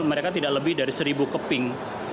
mereka tidak lebih dari seribu keping